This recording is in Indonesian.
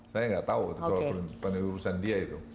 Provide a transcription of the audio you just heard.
saya nggak tahu itu soal penelurusan dia itu